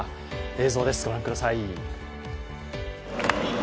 映像です、ご覧ください。